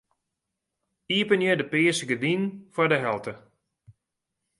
Iepenje de pearse gerdinen foar de helte.